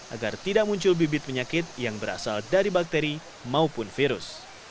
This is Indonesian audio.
agar tidak muncul bibit penyakit yang berasal dari bakteri maupun virus